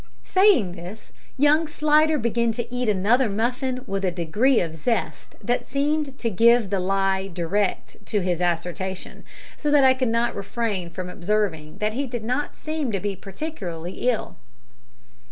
Saying this, young Slidder began to eat another muffin with a degree of zest that seemed to give the lie direct to his assertion, so that I could not refrain from observing that he did not seem to be particularly ill.